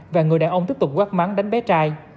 và người đàn ông tiếp tục quát mắng đánh bé trai